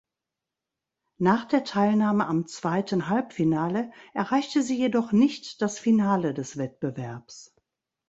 Nach der Teilnahme am zweiten Halbfinale erreichte sie jedoch nicht das Finale des Wettbewerbs.